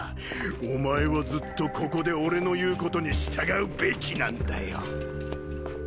お前はずっとここで俺の言うことに従うべきなんだよ。